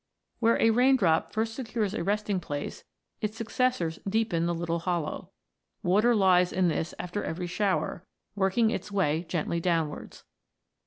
Where a rain drop first secures a resting place, its successors deepen the little hollow. Water lies in this after every shower, working its way gently downwards.